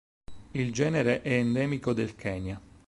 Il genere è endemico del Kenya.